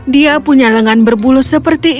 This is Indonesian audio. dia punya lengan berbulu seperti ini